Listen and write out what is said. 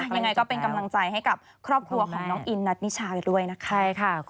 ยังไงก็เป็นกำลังใจให้กับครอบครัวของน้องอินนัทนิชาอยู่ด้วยนะคะ